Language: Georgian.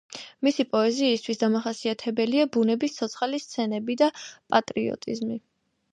მისი პოეზიისთვის დამახასიათებელია ბუნების ცოცხალი სცენები და პატრიოტიზმი.